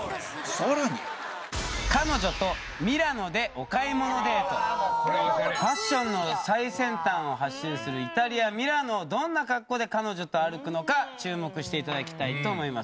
さらにファッションの最先端を発信するイタリアミラノをどんな格好で彼女と歩くのか注目して頂きたいと思います。